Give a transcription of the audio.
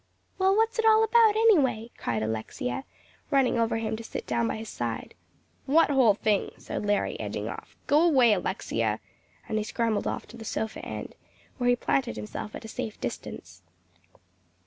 "Well, what's it all about, anyway?" cried Alexia, running over to him to sit down by his side. "What whole thing?" said Larry, edging off. "Go away, Alexia," and he scrambled off to the sofa end, where he planted himself at a safe distance.